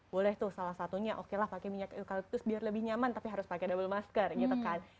boleh tuh salah satunya oke lah pakai minyak eucalptus biar lebih nyaman tapi harus pakai double masker gitu kan